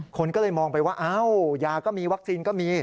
คนก็เลยมองไปว่าอ้าวยาก็มีวัคซีนก็มี